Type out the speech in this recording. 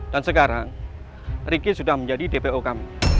dan sekarang riki sudah menjadi dpo kami